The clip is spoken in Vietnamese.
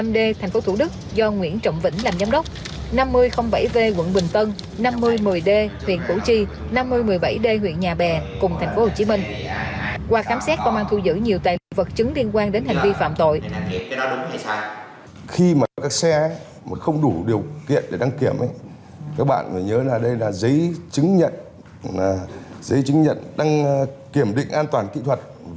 năm mươi một mươi năm d tp thủ đức do nguyễn trọng vĩnh làm giám đốc năm mươi bảy v quận bình tân năm mươi một mươi d huyện củ chi năm mươi một mươi bảy d huyện nhà bè cùng tp hồ chí minh